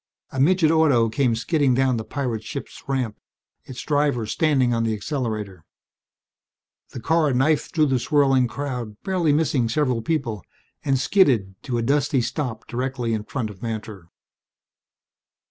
A midget auto came skidding down the pirate ship's ramp, its driver standing on the accelerator. The car knifed through the swirling crowd, barely missing several people, and skidded to a dusty stop directly in front of Mantor.